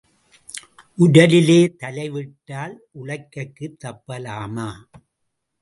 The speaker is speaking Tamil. உரலிலே தலை விட்டால் உலக்கைக்குத் தப்பலாமா?